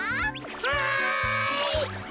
はい。